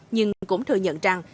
nhưng cũng thừa nhận rằng